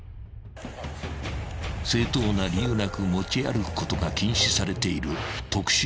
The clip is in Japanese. ［正当な理由なく持ち歩くことが禁止されている］